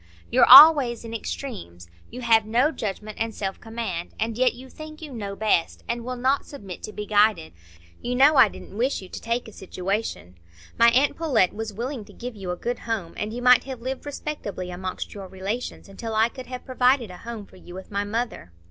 You're always in extremes; you have no judgment and self command; and yet you think you know best, and will not submit to be guided. You know I didn't wish you to take a situation. My aunt Pullet was willing to give you a good home, and you might have lived respectably amongst your relations, until I could have provided a home for you with my mother.